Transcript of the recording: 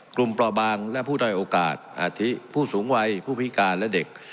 ปลอบางและผู้ด้อยโอกาสอาทิตผู้สูงวัยผู้พิการและเด็ก